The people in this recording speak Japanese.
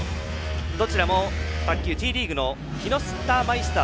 どちらも卓球Ｔリーグの木下マイスター